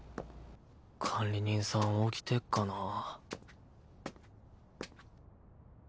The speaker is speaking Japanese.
管理人さん起きてっかなぁ。